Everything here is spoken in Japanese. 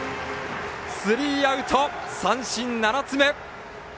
スリーアウト、三振７つ目！